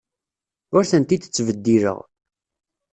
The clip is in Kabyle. Ur tent-id-ttbeddileɣ.